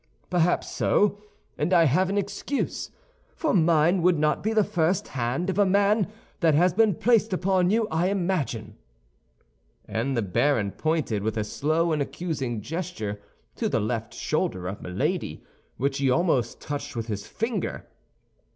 "Perhaps so; and I have an excuse, for mine would not be the first hand of a man that has been placed upon you, I imagine." And the baron pointed, with a slow and accusing gesture, to the left shoulder of Milady, which he almost touched with his finger.